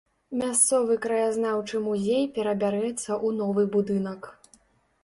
Мясцовы краязнаўчы музей перабярэцца ў новы будынак.